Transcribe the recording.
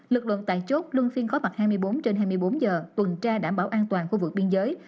lực lượng tại chốt luôn phiên có mặt hai mươi bốn trên hai mươi bốn giờ tuần tra đảm bảo an toàn khu vực biên giới